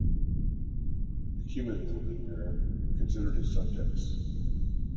The Cumans living there were considered his subjects.